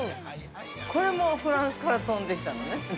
◆これもフランスから飛んできたのね。